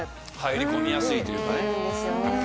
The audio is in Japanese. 入り込みやすいというかね。